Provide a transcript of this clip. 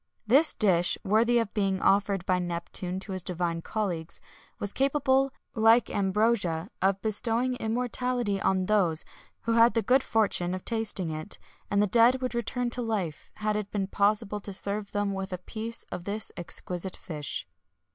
This dish, worthy of being offered by Neptune to his divine colleagues, was capable, like ambrosia, of bestowing immortality on those who had the good fortune of tasting it, and the dead would return to life, had it been possible to serve them with a piece of this exquisite fish.